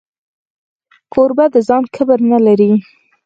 کوربه د ځان کبر نه لري.